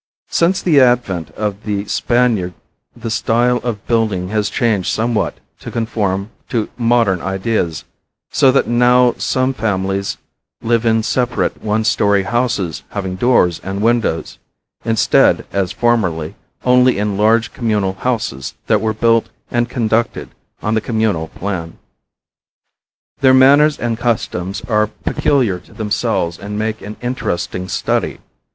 Since the advent of the Spaniard the style of building has changed somewhat to conform to modern ideas, so that now some families live in separate one story houses having doors and windows, instead, as formerly, only in large communal houses that were built and conducted on the communal plan. Their manners and customs are peculiar to themselves and make an interesting study.